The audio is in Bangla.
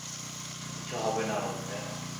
কিচ্ছু হবে না ওর, তাই না?